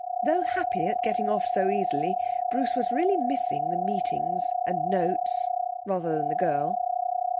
Though happy at getting off so easily, Bruce was really missing the meetings and notes (rather than the girl).